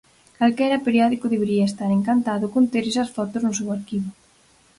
Calquera periódico debería estar encantado con ter esas fotos no seu arquivo.